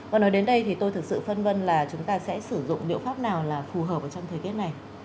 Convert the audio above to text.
và nói đến đây thì tôi thực sự phân vân là chúng ta sẽ sử dụng liệu pháp nào là phù hợp trong thời tiết này